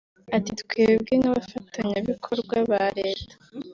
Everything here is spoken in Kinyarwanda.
Ati” Twebwe nk’abafatanyabikorwa ba leta